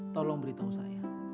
tolong beritahu saya